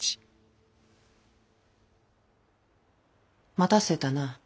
待たせたな。